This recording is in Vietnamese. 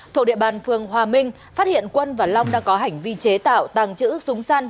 thuộc địa bàn phường hòa minh phát hiện quân và long đang có hành vi chế tạo tàng trữ súng săn